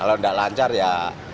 kalau tidak lancar ya